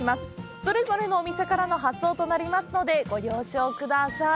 それぞれのお店からの発送となりますのでご了承ください。